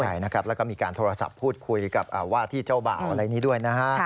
ใช่นะครับแล้วก็มีการโทรศัพท์พูดคุยกับว่าที่เจ้าบ่าวอะไรนี้ด้วยนะฮะ